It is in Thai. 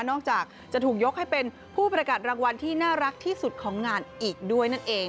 จากจะถูกยกให้เป็นผู้ประกาศรางวัลที่น่ารักที่สุดของงานอีกด้วยนั่นเอง